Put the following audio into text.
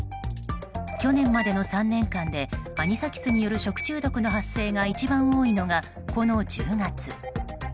去年までの３年間でアニサキスによる食中毒の発生が一番多いのが、この１０月。